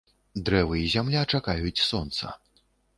Дрэвы і зямля чакаюць сонца.